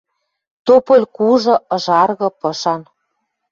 Тополь кужы, ыжаргы, пышан